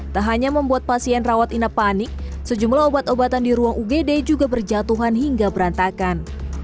tak hanya membuat pasien rawat inap panik sejumlah obat obatan di ruang ugd juga berjatuhan hingga berantakan